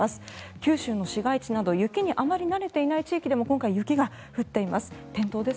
九州の市街地など雪にあまり慣れていない地域でも今回、雪が降っています。